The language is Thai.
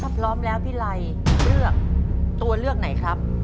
ถ้าพร้อมแล้วพี่ไลเลือกตัวเลือกไหนครับ